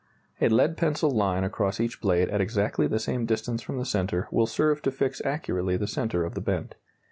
A lead pencil line across each blade at exactly the same distance from the centre will serve to fix accurately the centre of the bend.